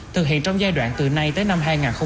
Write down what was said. thực hiện trong giai đoạn từ nay tới năm hai nghìn hai mươi